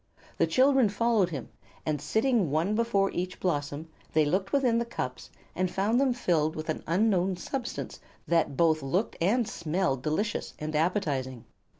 The children followed him, and sitting one before each blossom they looked within the cups and found them filled with an unknown substance that both looked and smelled delicious and appetizing.